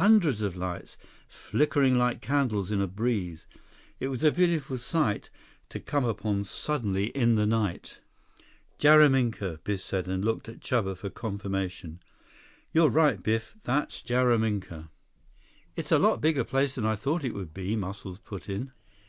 Hundreds of lights, flickering like candles in a breeze. It was a beautiful sight to come upon suddenly in the night. "Jaraminka," Biff said, and looked at Chuba for confirmation. "You right, Biff. That Jaraminka." 136 "It's a lot bigger place than I thought it would be," Muscles put in.